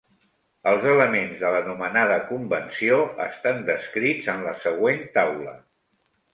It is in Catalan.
Els elements de la nomenada convenció estan descrits en la següent taula.